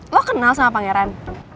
lo kenal sama pangeran